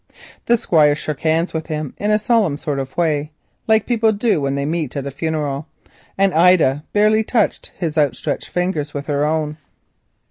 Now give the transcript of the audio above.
The Squire shook hands with him in a solemn sort of way, as people do when they meet at a funeral, but Ida barely touched his outstretched fingers with her own.